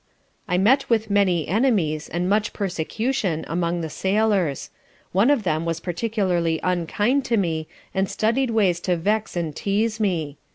I met with many enemies, and much persecution, among the sailors; one of them was particularly unkind to me, and studied ways to vex and teaze me.